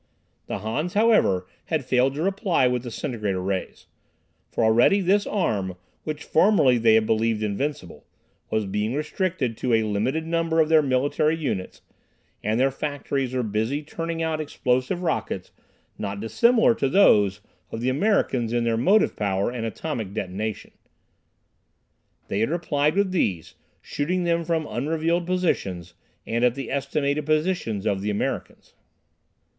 The Hans, however, had failed to reply with disintegrator rays. For already this arm, which formerly they had believed invincible, was being restricted to a limited number of their military units, and their factories were busy turning out explosive rockets not dissimilar to those of the Americans in their motive power and atomic detonation. They had replied with these, shooting them from unrevealed positions, and at the estimated positions of the Americans.